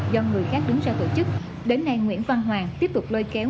do người khác đứng ra tổ chức đến nay nguyễn văn hoàng tiếp tục lôi kéo